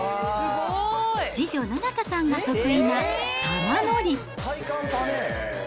次女、菜々花さんが得意な玉乗り。